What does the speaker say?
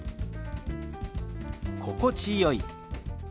「心地よい」。